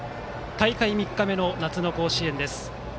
大会３日目の夏の甲子園です。